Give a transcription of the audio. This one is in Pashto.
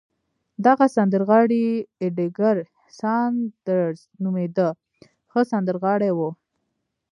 دغه سندرغاړی اېدګر ساندرز نومېده، ښه سندرغاړی و.